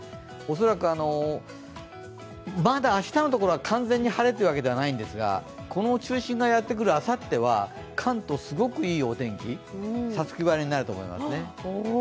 恐らく完全に晴れということではないんですがこの中心がやってくるあさっては関東、すごくいいお天気、五月晴れになると思いますね。